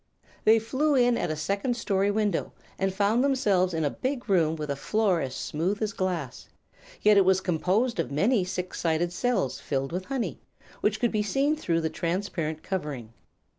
They flew in at a second story window and found themselves in a big room with a floor as smooth as glass. Yet it was composed of man six sided cells filled with honey, which could be seen through the transparent covering.